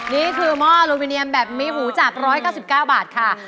นี่คือม่ออลูมิเนียมแบบมีหูจัด๑๙๙บาทค่ะ